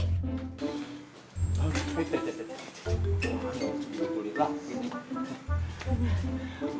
tuh tulis lah